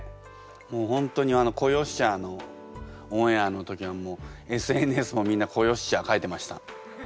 もう本当に「子よっしゃあ」のオンエアの時はもうＳＮＳもみんな「子よっしゃあ」書いてました。